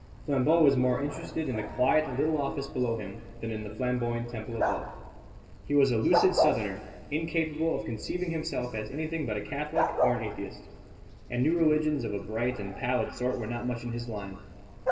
Flambeau was more interested in the quiet little office below him than in the flamboyant temple above. He was a lucid Southerner, incapable of conceiving himself as anything but a Catholic or an atheist; and new religions of a bright and pallid sort were not much in his line.